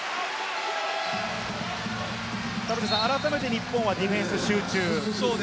改めて日本はディフェンス集中。